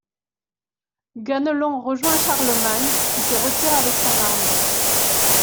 Ganelon rejoint Charlemagne, qui se retire avec son armée.